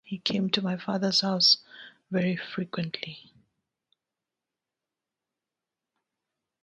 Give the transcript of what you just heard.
He came to my father's house very frequently.